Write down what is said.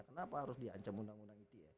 kenapa harus di ancam undang undang ite